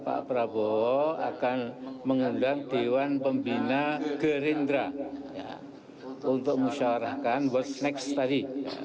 pak prabowo akan mengundang dewan pembina gerindra untuk mengusyawarkan what's next tadi